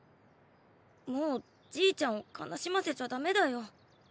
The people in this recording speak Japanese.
もうじいちゃんを悲しませちゃダメだよ。